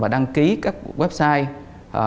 đăng ký các website